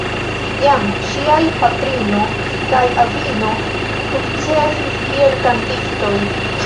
Jam ŝiaj patrino kaj avino sukcesis kiel kantistoj.